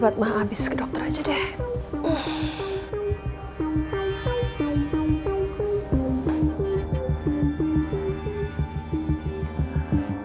batmah abis ke dokter aja deh